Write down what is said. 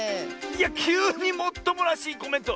いやきゅうにもっともらしいコメント！